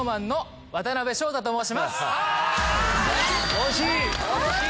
惜しい！